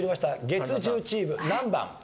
月１０チーム何番？